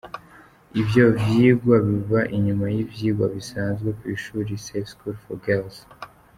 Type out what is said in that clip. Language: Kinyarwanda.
Ivyo vyigwa biba inyuma y'ivyigwa bisanzwe kw'ishuli "Safe School for Girls".